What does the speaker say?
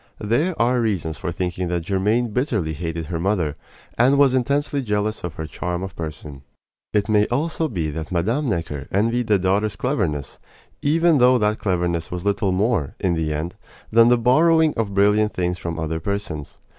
There are reasons for thinking that Germaine bitterly hated her mother, and was intensely jealous of her charm of person. It may be also that Mme. Necker envied the daughter's cleverness, even though that cleverness was little more, in the end, than the borrowing of brilliant things from other persons.